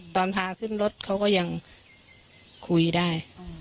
ตอนพาขึ้นรถเขาก็ยังคุยได้